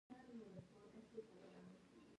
ازادي راډیو د اقتصاد د منفي اړخونو یادونه کړې.